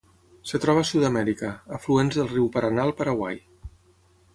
Es troba a Sud-amèrica: afluents del riu Paranà al Paraguai.